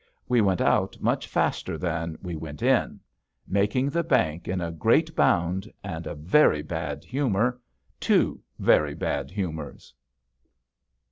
We went out much faster than we went in, making the bank in a great bound and a very bad humor two very bad humors.